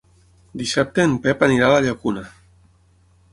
Dissabte en Pep anirà a la Llacuna.